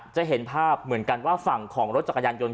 จะเห็นภาพเหมือนกันว่าฝั่งของรถจักรยานยนต